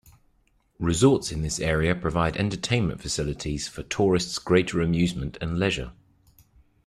Resorts in this area provide entertainment facilities for tourists' greater amusement and leisure.